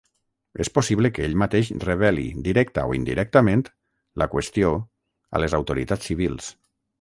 És possible que ell mateix reveli directa o indirectament la qüestió a les autoritats civils.